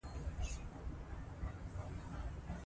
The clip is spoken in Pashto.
دوی د ویرې له امله ژوندي پاتې سوي.